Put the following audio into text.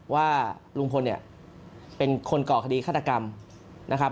ว่าลุงพลเนี่ยเป็นคนก่อคดีฆาตกรรมนะครับ